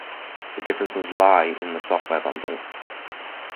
The differences lie in the software bundle.